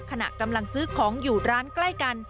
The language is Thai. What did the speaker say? ขณะกำลังซื้อของอยู่ร้านใกล้กัน